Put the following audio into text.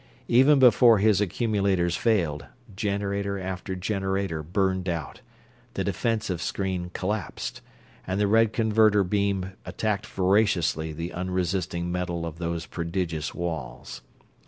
Even before his accumulators failed, generator after generator burned out, the defensive screen collapsed, and the red converter beam attacked voraciously the unresisting metal of those prodigious walls.